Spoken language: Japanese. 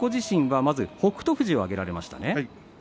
ご自身は、まず北勝富士を挙げられましたね。